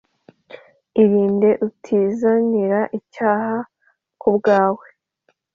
irinde utizanira icyaha ku bwawe